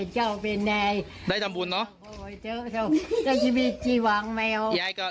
ช่วยแมว